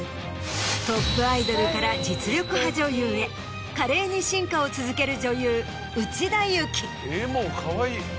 トップアイドルから実力派女優へ華麗に進化を続ける。